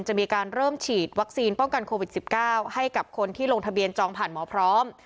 จะมีการเริ่มฉีดวัคซีนป้องกันโควิด๑๙ให้กับคนที่ลงทะเบียนจองผ่านหมอพร้อม